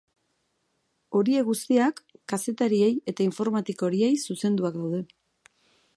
Horiek guztiak kazetariei eta informatikariei zuzenduak daude.